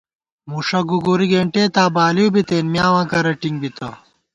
مُݭہ گُوگُری گېنٹېتابالِئیو بِتېن میاواں کرہ ٹِنگ بِتہ